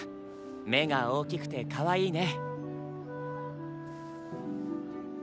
目が大きくてかわいいね。